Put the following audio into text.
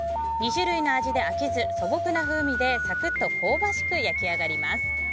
２種類の味で飽きず素朴な風味でサクッと香ばしく焼き上がります。